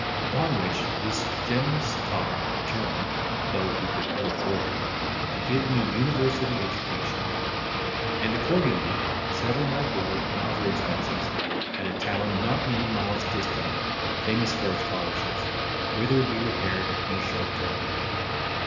Upon which, this generous tar determined (though he could ill afford it) to give me university education; and accordingly settled my board and other expenses, at a town not many miles distant, famous for its colleges, whither we repaired in a short time.